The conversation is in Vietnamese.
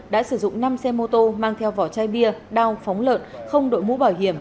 đã sử dụng năm xe mô tô mang theo vỏ chai bia đao phóng lợn không đội mũ bảo hiểm